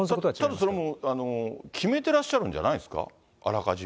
ただそれはもう、決めてらっしゃるんじゃないんですか、あら